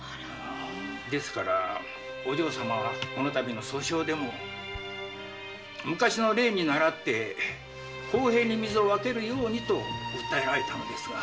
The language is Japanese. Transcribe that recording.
ですからお嬢様は今度の訴訟でも昔の例にならって公平に水を分けるようにと訴えられたのですが。